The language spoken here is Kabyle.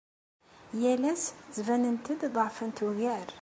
Yal ass ttbanent-d ḍeɛfent ugar.